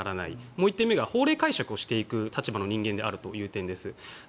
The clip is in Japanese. もう１点目が法令解釈をしていく立場の人間であるという点です。